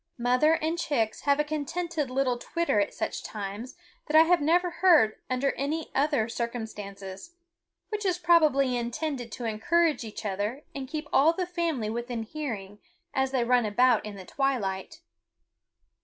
Mother and chicks have a contented little twitter at such times that I have never heard under any other circumstances, which is probably intended to encourage each other and keep all the family within hearing as they run about in the twilight.